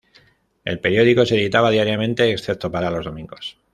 El periódico se editaba diariamente excepto para los domingos.